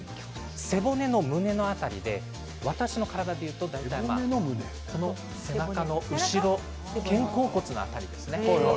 背骨の胸の辺りで私の体でいうと背中の後ろ肩甲骨の辺りです。